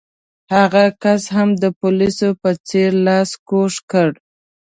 هغه کس هم د پولیس په څېر لاس کوږ کړ.